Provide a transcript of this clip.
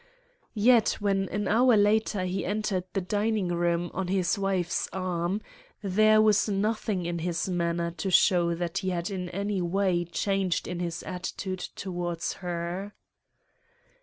Yet when an hour later he entered the dining room on his wife's arm, there was nothing in his manner to show that he had in any way changed in his attitude towards her.